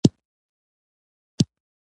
د هغه وېره هم وه، خیر اسماعیل شا ته کېناست.